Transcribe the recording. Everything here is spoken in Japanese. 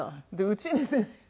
うちにね